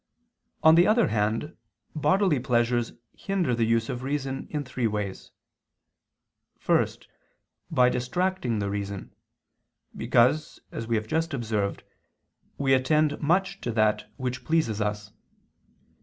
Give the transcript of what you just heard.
On the other hand bodily pleasures hinder the use of reason in three ways. First, by distracting the reason. Because, as we have just observed, we attend much to that which pleases us.